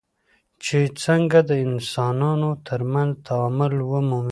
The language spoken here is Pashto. چې څنګه د انسانانو ترمنځ تعامل ومومي.